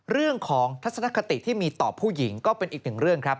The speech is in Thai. เรื่องของทัศนคติที่มีต่อผู้หญิงก็เป็นอีกหนึ่งเรื่องครับ